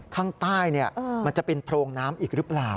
ข้างใต้มันจะเป็นโพรงน้ำอีกหรือเปล่า